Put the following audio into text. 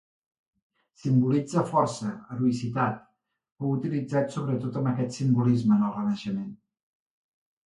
Simbolitza força, heroïcitat, fou utilitzat sobretot amb aquest simbolisme en el Renaixement.